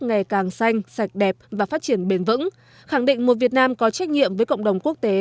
ngày càng xanh sạch đẹp và phát triển bền vững khẳng định một việt nam có trách nhiệm với cộng đồng quốc tế